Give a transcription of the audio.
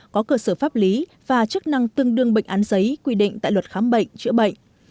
có cơ sở pháp lý và chức năng tương đương bệnh án giấy quy định tại luật khám bệnh chữa bệnh